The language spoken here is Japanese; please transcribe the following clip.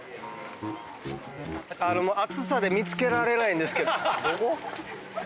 もう暑さで見つけられないんですけど。